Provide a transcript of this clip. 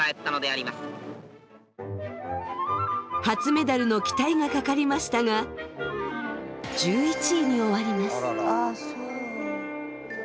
初メダルの期待がかかりましたが１１位に終わります。